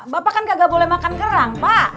bapak kan gak boleh makan kerang pak